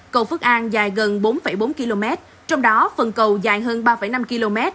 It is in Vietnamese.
cầu phước an dài gần bốn bốn km trong đó phần cầu dài hơn ba năm km